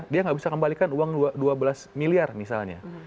dia nggak bisa kembalikan uang dua belas miliar misalnya